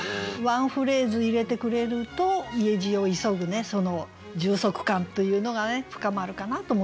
ワンフレーズ入れてくれると家路を急ぐその充足感というのがね深まるかなと思いますね。